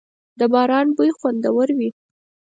• د باران بوی خوندور وي.